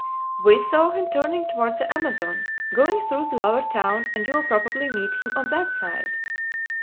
"We saw him turning toward the Amazon, going through the lower town, and you will probably meet him on that side."